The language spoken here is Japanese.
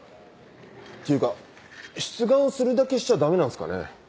っていうか出願するだけしちゃダメなんすかね？